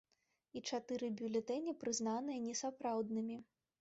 І чатыры бюлетэні прызнаныя несапраўднымі.